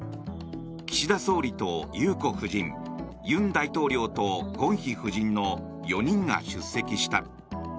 岸田総理と裕子夫人尹大統領とゴンヒ夫人の４人が出席した。